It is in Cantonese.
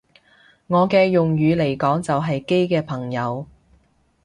我嘅用語嚟講就係基嘅朋友